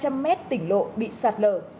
hai hai trăm linh mét tỉnh lộ bị sạt lở